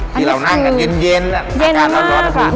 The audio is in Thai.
ที่เรานั่งกันเย็นอาการอ่อนค่ะ